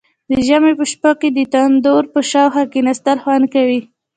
د ژمي په شپو کې د تندور په شاوخوا کیناستل خوند کوي.